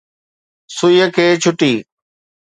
سُئيءَ کي ڇُٽي.